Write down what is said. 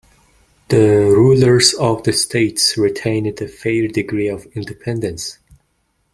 The rulers of the states retained a fair degree of independence.